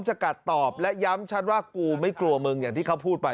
จะกัดตอบและย้ำชัดว่ากูไม่กลัวมึงอย่างที่เขาพูดไป